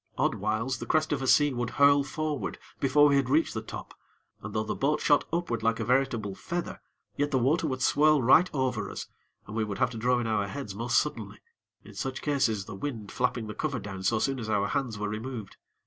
Odd whiles, the crest of a sea would hurl forward before we had reached the top, and though the boat shot upward like a veritable feather, yet the water would swirl right over us, and we would have to draw in our heads most suddenly; in such cases the wind flapping the cover down so soon as our hands were removed.